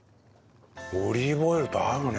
オリーブオイルと合うね。